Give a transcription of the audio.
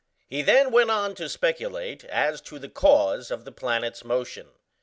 He then went on to speculate as to the cause of the planets' motion.